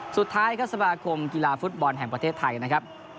สุดท้ายครับสมาคมกีฬาฟุตบอลแห่งประเทศไทยนะครับ